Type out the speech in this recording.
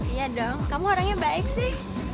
iya dong kamu orangnya baik sih